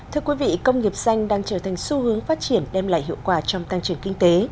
thưa quý vị công nghiệp xanh đang trở thành xu hướng phát triển đem lại hiệu quả trong tăng trưởng kinh tế